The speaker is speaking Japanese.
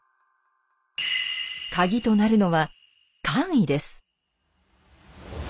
カギとなるのは「官位」です。